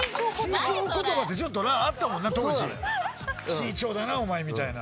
「Ｃ調だなお前」みたいな。